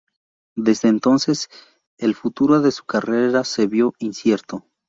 Desde entonces el futuro de su carrera se vio incierto.